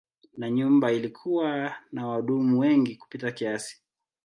Na nyumba ilikuwa na wahudumu wengi kupita kiasi.